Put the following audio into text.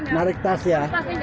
narik tas ya